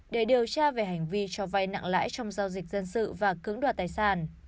để điều tra về hành vi cho vay nặng lãi trong giao dịch dân sự và cưỡng đoạt tài sản